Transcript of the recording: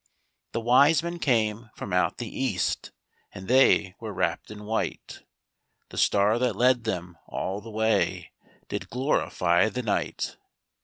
The wise men came from out the east, And they were wrapped in white; The star that led them all the way Did glorify the night.